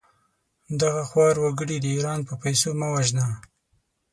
دغه خوار وګړي د ايران په پېسو مه وژنه!